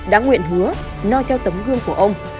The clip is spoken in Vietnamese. đã nguyện hứa no theo tấm hương của ông